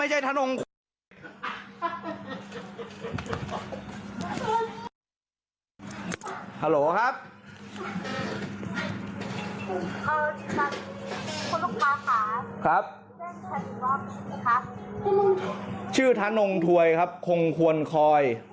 ชื่อธนงถวยครับคงควนคลอย